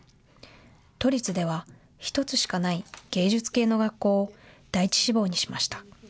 都立では１つしかない芸術系の学校を第１志望にしました。